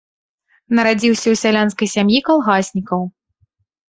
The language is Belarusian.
Нарадзіўся ў сялянскай сям'і калгаснікаў.